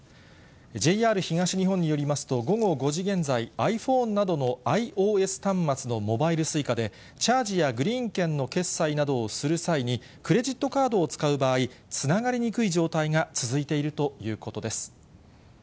ＪＲ東日本によりますと、午後５時現在、ｉＰｈｏｎｅなどのＩＯＳ端末のモバイルＳｕｉｃａで、チャージやグリーン券の決済などをする際に、クレジットカードを使う場合、つながりにくい状態が続いているということです。